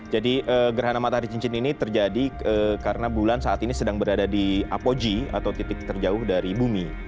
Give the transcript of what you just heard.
jadi gerhana matahari cincin ini terjadi karena bulan saat ini sedang berada di apogee atau titik terjauh dari bumi